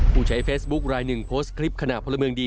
ผู้ใช้เฟซบุ๊คลายหนึ่งโพสต์คลิปขณะพลเมืองดี